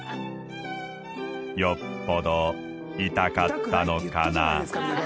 よっぽど痛かったのかな